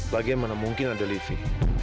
bagaimana mungkin ada livi